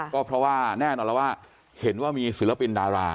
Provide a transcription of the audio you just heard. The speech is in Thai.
ก็เพราะว่าแน่นอนแล้วว่าเห็นว่ามีศิลปินดารา